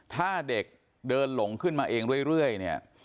ถ้าเด็กเดินหลงขึ้นมาเองเรื่อยเนี่ย